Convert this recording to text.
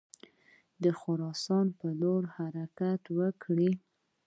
د خراسان پر لور حرکت وکړي.